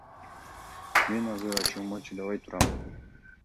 Мен азыр ачуума чыдабай турам.